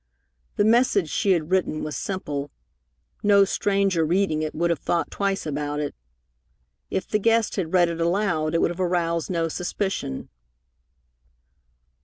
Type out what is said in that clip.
The message she had written was simple. No stranger reading it would have thought twice about it. If the guest had read it aloud, it would have aroused no suspicion.